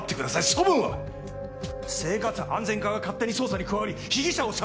処分は⁉生活安全課が勝手に捜査に加わり被疑者を射殺。